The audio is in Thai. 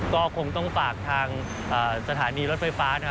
ก็คงต้องฝากทางสถานีรถไฟฟ้า